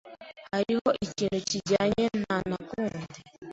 Hariho ikintu kijyanye na ntakunda.